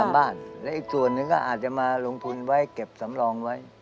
บ้านและอีกส่วนหนึ่งก็อาจจะมาลงทุนไว้เก็บสำรองไว้